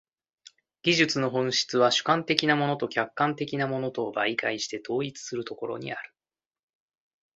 技術の本質は主観的なものと客観的なものとを媒介して統一するところにある。